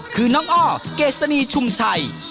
คือน้องอ้อเกษณีชุมชัย